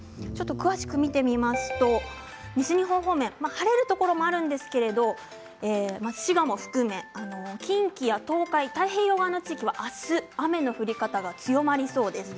詳しく見ていますと西日本方面、晴れるところもあるんですけれど滋賀も含めて近畿や東海太平洋側は明日は雨の降り方が強まりそうです。